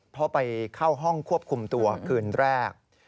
เพราะไปเข้าห้องควบคุมตัวคืนแรก